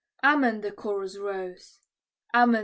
Amen!" the chorus rose; "Amen!"